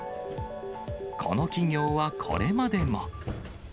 この企業はこれまでも。